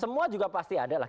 semua juga pasti ada lah